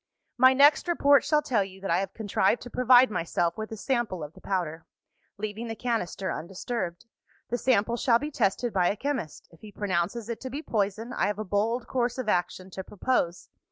"My next report shall tell you that I have contrived to provide myself with a sample of the powder leaving the canister undisturbed. The sample shall be tested by a chemist. If he pronounces it to be poison, I have a bold course of action to propose.